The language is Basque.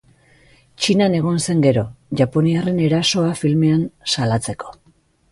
Txinan egon zen gero, japoniarren erasoa filmean salatzeko.